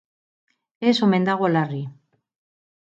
Ez omen dago larri.